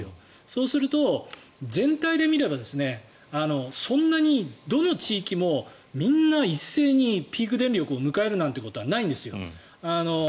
そうすると全体で見ればそんなにどの地域もみんな一斉にピーク電力を迎えるなんてことはないんですよ。